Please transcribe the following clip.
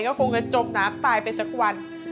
ก็คงจะจมน้ำตายไปสักวัน